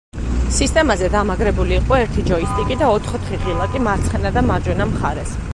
სისტემაზე დამაგრებული იყო ერთი ჯოისტიკი და ოთხ-ოთხი ღილაკი მარცხენა და მარჯვენა მხარეს.